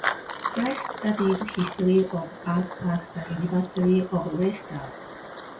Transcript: Price studied history of art at the University of Leicester.